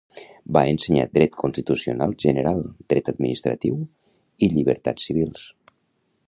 Va ensenyar dret constitucional general, dret administratiu i llibertats civils.